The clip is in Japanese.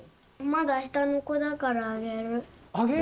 まだ下の子だからあげる。